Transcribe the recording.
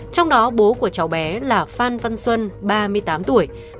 trong đó bố của cháu bé là phan văn xuân ba mươi tám tuổi